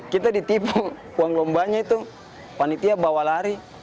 kita ditipu uang lombanya itu panitia bawa lari